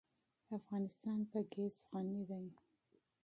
افغانستان په ګاز غني دی.